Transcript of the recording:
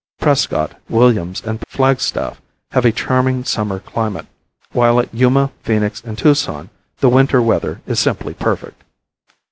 Prescott, Williams and Flagstaff have a charming summer climate, while at Yuma, Phoenix and Tucson the winter weather is simply perfect.